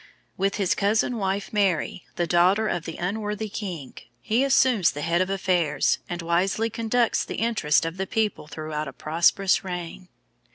With his cousin wife Mary, the daughter of the unworthy king, he assumes the head of affairs, and wisely conducts the interests of the people throughout a prosperous reign.